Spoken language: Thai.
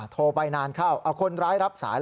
โทรไปนานเข้าคนร้ายรับสาย